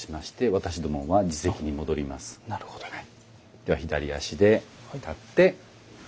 では左足で立って。